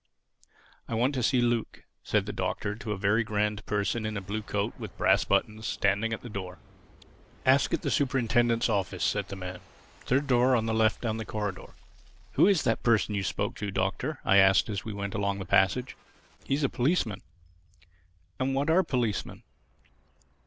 "I want to see Luke," said the Doctor to a very grand person in a blue coat with brass buttons standing at the door. "Ask at the Superintendent's office," said the man. "Third door on the left down the corridor." "Who is that person you spoke to, Doctor?" I asked as we went along the passage. "He is a policeman." "And what are policemen?"